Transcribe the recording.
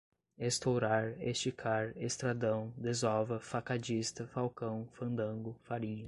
estourar, esticar, estradão, desova, facadista, falcão, fandango, farinha